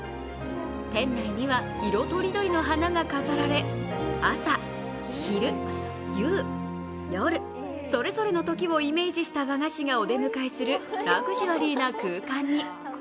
店内には色とりどりの花が飾られ、朝、昼、夕、夜、それぞの時をイメージした和菓子がお出迎えするラグジュアリーな空間に。